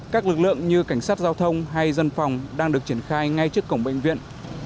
các lực lượng như cảnh sát giao thông hay dân phòng đang được triển khai ngay trước cổng bệnh viện